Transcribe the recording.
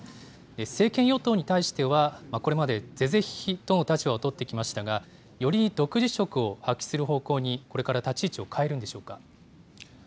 政権与党に対しては、これまで是々非々との立場を取ってきましたが、より独自色を発揮する方向に、これから立ち位置を変えるんでしょうか。